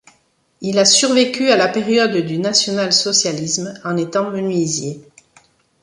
Il a survécu à la période du national-socialisme en étant menuisier.